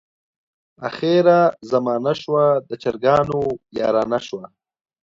اخره زمانه شوه د چرګانو یارانه شوه.